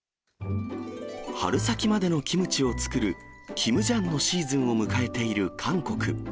春先までのキムチを作る、キムジャンのシーズンを迎えている韓国。